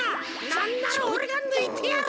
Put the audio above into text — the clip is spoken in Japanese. なんならオレがぬいてやる！